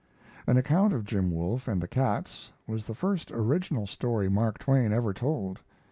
An account of Jim Wolfe and the cats was the first original story Mark Twain ever told.